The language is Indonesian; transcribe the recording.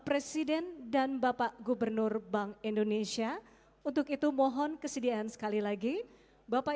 presiden dan bapak gubernur bank indonesia untuk itu mohon kesediaan sekali lagi bapak